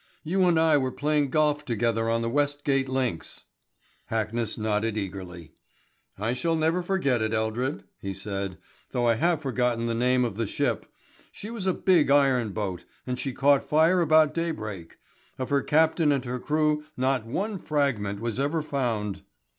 You and I were playing golf together on the Westgate links." Hackness nodded eagerly. "I shall never forget it, Eldred," he said, "though I have forgotten the name of the ship. She was a big iron boat, and she caught fire about daybreak. Of her captain and her crew not one fragment was ever found."